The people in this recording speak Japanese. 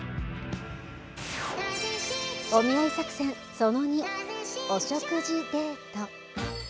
お見合い作戦、その２お食事デート。